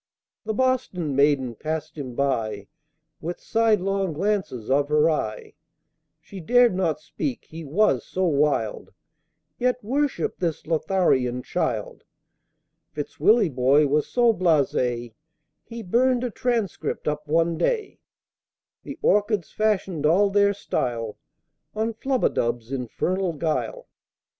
The Boston maiden passed him by With sidelong glances of her eye, She dared not speak (he was so wild), Yet worshipped this Lotharian child. Fitz Willieboy was so blase, He burned a Transcript up one day! The Orchids fashioned all their style On Flubadub's infernal guile.